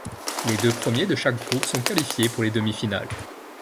Les deux premiers de chaque groupe sont qualifiés pour les demi-finales.